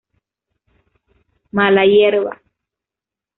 Mala hierba.